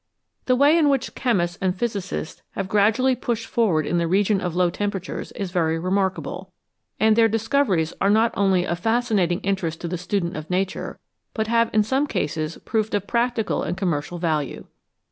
The way in which chemists and physicists have gradu ally pushed forward into the region of low temperatures is very remarkable, and their discoveries are not only of fascinating interest to the student of Nature, but have in some cases proved of practical and commercial value.